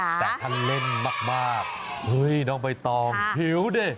แต่ถ้าเล่นมากเฮ้ยน้องใบตองผิวดิ